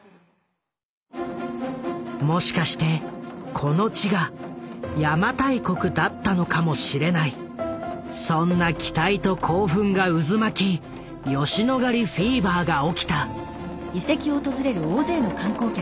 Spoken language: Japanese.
もしかしてこの地が邪馬台国だったのかもしれない⁉そんな期待と興奮が渦巻き吉野ヶ里フィーバーが起きた。